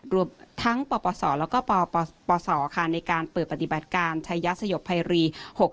รวมทั้งปปศแล้วก็ปปศในการเปิดปฏิบัติการชายสยบภัยรี๖๖